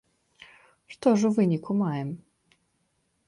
Што ж у выніку маем?